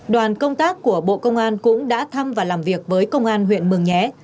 đoàn công tác của bộ công an cũng đã thăm và làm việc với công an huyện mường nhé